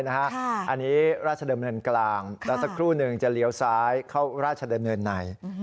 อันนี้ราชดำเนินกลางแล้วสักครู่หนึ่งจะเลี้ยวซ้ายเข้าราชดำเนินใน